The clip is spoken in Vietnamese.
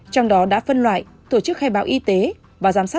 trong đó đã phân loại tổ chức khai báo y tế và giám sát